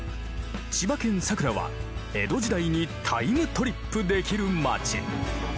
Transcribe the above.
千葉県佐倉は江戸時代にタイムトリップできる町。